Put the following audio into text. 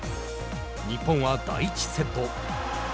日本は第１セット。